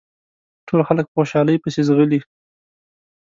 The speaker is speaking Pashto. ټول خلک په خوشحالۍ پسې ځغلي.